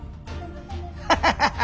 ハハハハ！